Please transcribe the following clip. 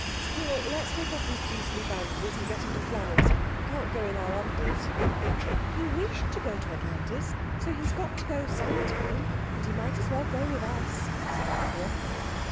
Squirrel, let's take off these beastly bandages and get into flannels. We can't go in our unders." "He wished to go to Atlantis, so he's got to go some time; and he might as well go with us," said Anthea.